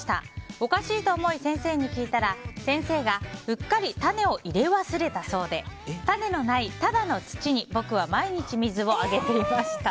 おかしいと思い先生に聞いたら先生がうっかり種を入れ忘れたそうで種のない、ただの土に僕は毎日水をあげていました。